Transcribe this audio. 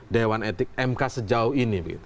dewan etik mk sejauh ini